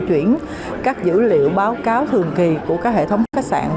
chuyển các dữ liệu báo cáo thường kỳ của các hệ thống khách sạn